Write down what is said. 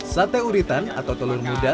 sate uritan atau telur muda